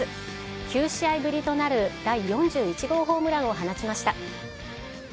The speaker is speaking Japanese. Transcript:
９試合ぶりとなる、第４１号ホームランを放ちました。